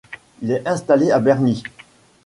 Il est installé à Bernis.